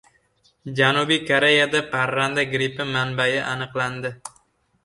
Janubiy Koreyada parranda grippi manbai aniqlandi